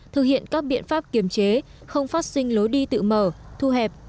thực hiện các biện pháp kiềm chế không phát sinh lối đi tự mở thu hẹp